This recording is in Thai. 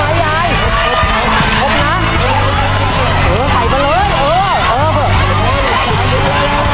มีความขอบความใหญ่ขอบครับ